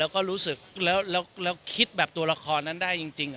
แล้วก็รู้สึกแล้วคิดแบบตัวละครนั้นได้จริง